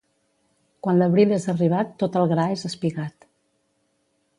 Quan l'abril és arribat tot el gra és espigat.